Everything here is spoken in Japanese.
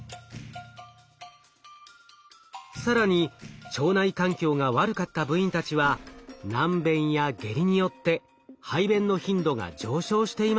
更に腸内環境が悪かった部員たちは軟便や下痢によって排便の頻度が上昇していました。